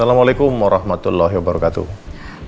assalamu'alaikum warahmatullahi wabarakatuh